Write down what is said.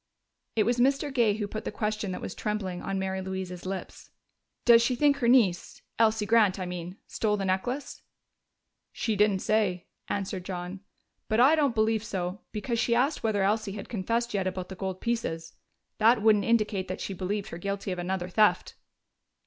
It was Mr. Gay who put the question that was trembling on Mary Louise's lips: "Does she think her niece Elsie Grant, I mean stole the necklace?" "She didn't say," answered John. "But I don't believe so, because she asked whether Elsie had confessed yet about the gold pieces. That wouldn't indicate that she believed her guilty of another theft."